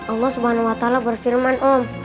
allah swt berfirman